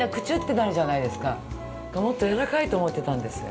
だから、もっと軟らかいと思ってたんですよ。